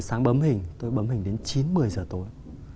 bảy h sáng bấm hình tôi bấm hình đến chín một mươi h tối